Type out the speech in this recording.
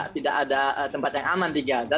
tidak ada tempat yang aman di gaza